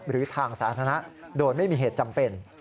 หรือทางสาธารณะโดยไม่มีเหตุจำเป็น